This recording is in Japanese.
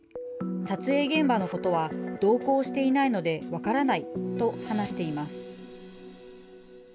撮影現場のことは同行していないので分からないと話しています。